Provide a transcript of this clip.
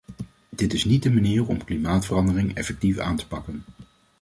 Dit is niet de manier om klimaatverandering effectief aan te pakken.